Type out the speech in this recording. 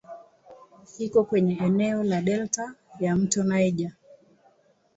Iko kwenye eneo la delta ya "mto Niger".